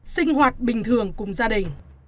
sinh hoạt bình thường cùng gia đình